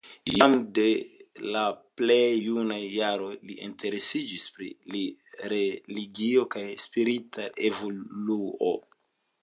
Jam de la plej junaj jaroj li interesiĝis pri religio kaj spirita evoluo.